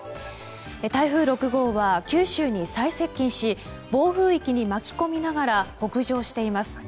台風６号は九州に最接近し暴風域に巻き込みながら北上しています。